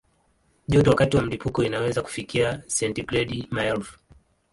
Joto wakati wa mlipuko inaweza kufikia sentigredi maelfu.